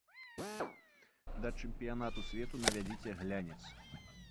Да чэмпіянату свету навядзіце глянец.